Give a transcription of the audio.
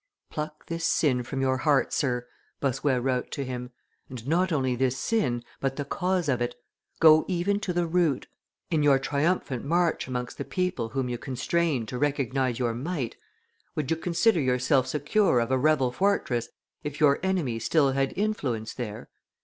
"Pluck this sin from your heart, Sir," Bossuet wrote to him; "and not only this sin, but the cause of it; go even to the root. In your triumphant march amongst the people whom you constrain to recognize your might, would you consider yourself secure of a rebel fortress if your enemy still had influence there?